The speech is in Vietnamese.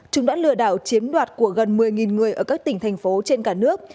chúng đã lừa đảo chiếm đoạt của gần một mươi người ở các tỉnh thành phố trên cả nước